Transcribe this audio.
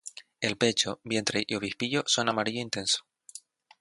El pecho, vientre y obispillo son amarillo intenso.